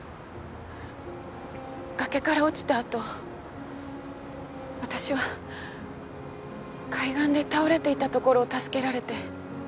崖から落ちた後私は海岸で倒れていたところを助けられて。